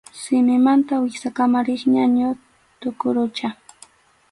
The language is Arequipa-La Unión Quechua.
Simimanta wiksakama riq ñañu tuqurucha.